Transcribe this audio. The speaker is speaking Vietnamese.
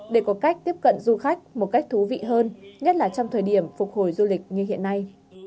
để có cách tiếp cận du khách một cách thú vị hơn nhất là trong thời điểm phục hồi du lịch như hiện nay